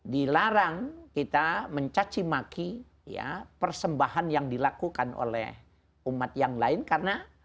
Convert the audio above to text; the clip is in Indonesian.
dilarang kita mencacimaki persembahan yang dilakukan oleh umat yang lain karena